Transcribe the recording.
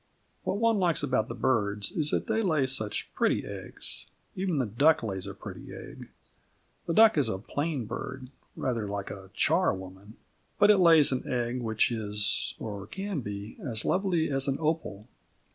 What one likes about the birds is that they lay such pretty eggs. Even the duck lays a pretty egg The duck is a plain bird, rather like a char woman, but it lays an egg which is (or can be) as lovely as an opal.